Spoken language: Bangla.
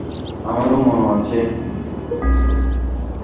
আমারও মনে আছে।